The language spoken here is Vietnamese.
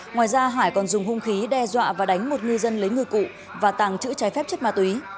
ngoài ra hải còn dùng hung khí đe dọa và đánh một ngư dân lấy ngư cụ và tàng trữ trái phép chất ma túy